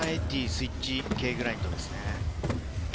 スイーツＫグラインドですね。